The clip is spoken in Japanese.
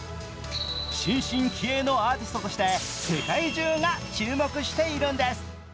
新進気鋭のアーティストとして世界中が注目しているんです。